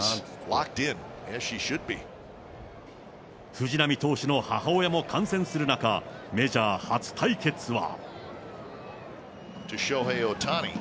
藤浪投手の母親も観戦する中、メジャー初対決は。